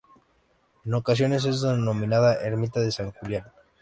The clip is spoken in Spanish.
En ocasiones es denominada ermita de San Julián.